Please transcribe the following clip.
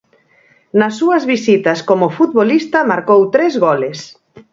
Nas súas visitas como futbolista marcou tres goles.